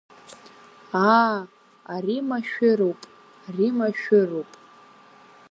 Аа, ари машәыруп, ари машәыруп!